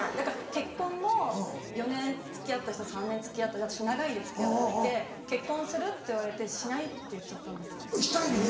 結婚も４年付き合った人３年付き合った人私長いんで付き合うといて「結婚する？」って言われて「しない」って言っちゃったんです。